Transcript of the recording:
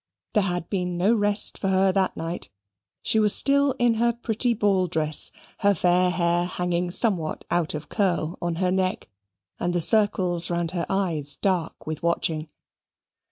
There had been no rest for her that night. She was still in her pretty ball dress, her fair hair hanging somewhat out of curl on her neck, and the circles round her eyes dark with watching.